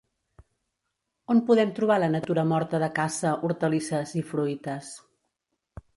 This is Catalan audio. On podem trobar la Natura morta de caça, hortalisses i fruites?